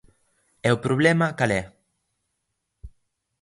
E o problema ¿cal é?